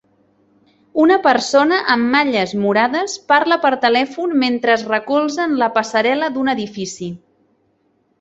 Una persona amb malles morades parla per telèfon mentre es recolza en la passarel·la d'un edifici.